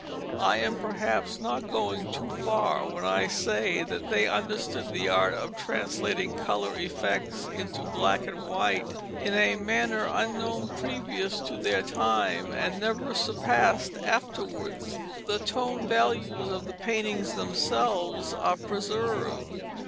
I am perhaps not going too far when I say that they understood the art of translating colour effects into black and white in a manner unknown previous to their time and never surpassed afterwards. The tone values of the paintings themselves are preserved.